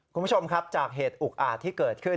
คุณผู้ชมครับจากเหตุอุกอาจที่เกิดขึ้น